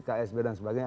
ksb dan sebagainya